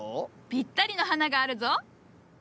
ぴったりの花があるぞ！